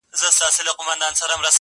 • یو مرغه وو په ځنګله کي اوسېدلی -